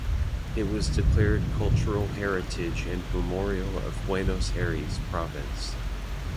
It was declared Cultural Heritage and Memorial of Buenos Aires Province.